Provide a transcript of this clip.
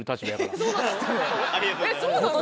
そうなの？